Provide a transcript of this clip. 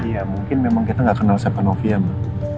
iya mungkin memang kita gak kenal siapa novia ma